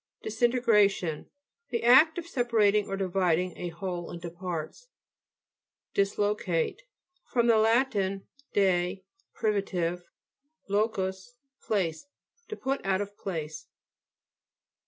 DISINTEGRATION The act of separ ating or dividing a whole into parts. DISLOCATE fr, lat. de, privitive, lo cus, place. To put out of place.